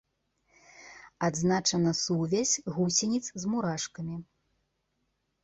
Адзначана сувязь гусеніц з мурашкамі.